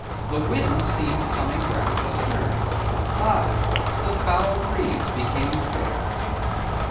the wind seemed coming round astern; aye, the foul breeze became fair!